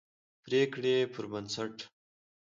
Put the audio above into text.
پرېکړې پربنسټ